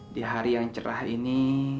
di hari yang cerah ini